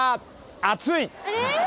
暑い！